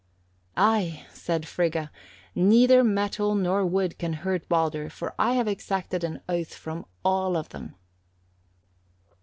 "'Ay,' said Frigga, 'neither metal nor wood can hurt Baldur, for I have exacted an oath from all of them.'